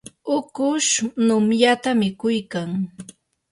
ukush numyata mikuykan.